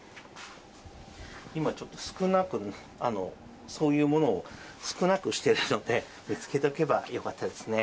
今、ちょっと少なく、そういうものを少なくしてるので、見つけておけばよかったですね。